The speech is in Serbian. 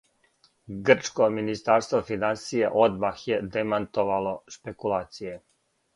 Грчко министарство финансија одмах је демантовало шпекулације.